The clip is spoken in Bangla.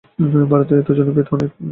ভারতে এর জনপ্রিয়তা অনেক।